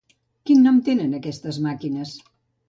Quin nom tenen aquestes màquines?